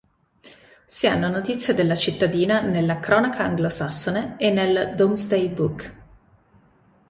Si hanno notizie della cittadina nella "Cronaca anglosassone" e nel "Domesday Book".